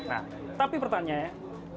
nah tapi pertanyaannya kenapa masih ada kondisi